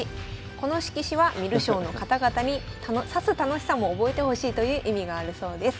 この色紙は観る将の方々に指す楽しさも覚えてほしいという意味があるそうです。